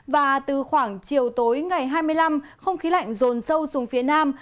và từ khoảng chiều tối ngày hai mươi năm không khí lạnh rồn sâu xuống phía nam